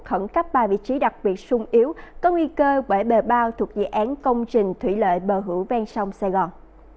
khẩn cấp ba vị trí đặc biệt sung yếu có nguy cơ bởi bề bao thuộc dự án công trình thủy lợi bờ hữu ven sông sài gòn